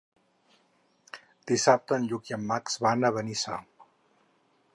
Dissabte en Lluc i en Max van a Benissa.